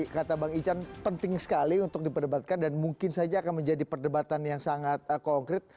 kata bang ican penting sekali untuk diperdebatkan dan mungkin saja akan menjadi perdebatan yang sangat konkret